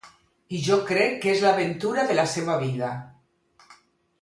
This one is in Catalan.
I jo crec que és l'aventura de la seva vida.